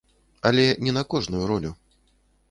Але не на кожную ролю.